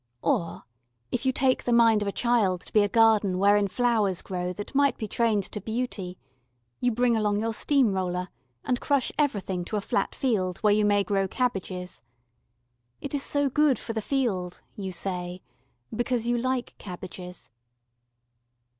Or, if you take the mind of a child to be a garden wherein flowers grow that might be trained to beauty, you bring along your steam roller, and crush everything to a flat field where you may grow cabbages. It is so good for the field, you say because you like cabbages.